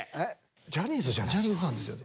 ジャニーズさんですよね。